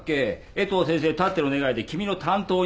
江藤先生たっての願いで君の担当になりたいと。